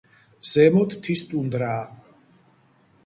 ზემოთ მთის ტუნდრაა.